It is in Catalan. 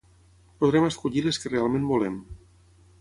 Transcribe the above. podrem escollir les que realment volem